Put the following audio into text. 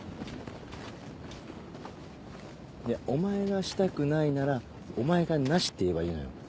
いやお前がしたくないならお前が「なし」って言えばいいのよ。